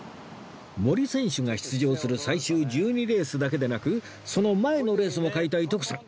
森選手が出場する最終１２レースだけでなくその前のレースも買いたい徳さん